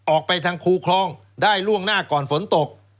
ออกไปทางคูคลองได้ล่วงหน้าก่อนฝนตก